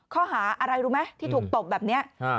ข้อหาอะไรรู้ไหมที่ถูกตบแบบนี้